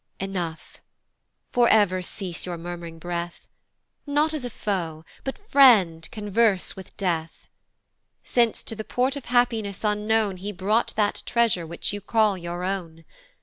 Enough for ever cease your murm'ring breath; Not as a foe, but friend converse with Death, Since to the port of happiness unknown He brought that treasure which you call your own.